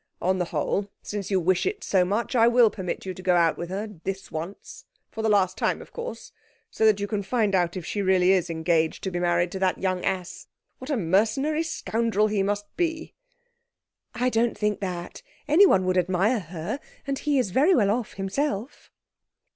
'On the whole, since you wish it so much, I will permit you to go out with her this once for the last time, of course so that you can find out if she really is engaged to be married to that young ass. What a mercenary scoundrel he must be!' 'I don't think that. Anyone would admire her, and he is very well off himself.'